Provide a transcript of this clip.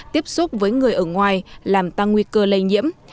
tiếp xúc với người ở ngoài làm tăng nguy cơ lây nhiễm